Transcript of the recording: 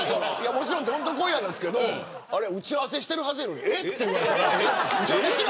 もちろんどんとこいなんですけど打ち合わせしてるはずなのにえって言われたから。